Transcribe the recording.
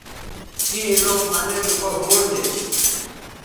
کیں لوں مہ نن او ھوندے